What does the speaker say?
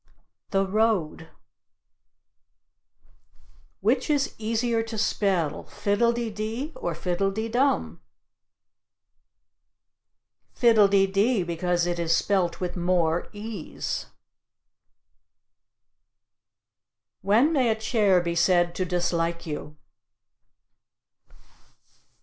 The road. Which is easier to spell fiddle de dee or fiddle de dum? Fiddle de dee, because it is spelt with more "e's." When may a chair be said to dislike you?